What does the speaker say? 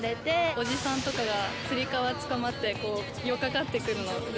おじさんとかがつり革もって寄りかかってくるのが。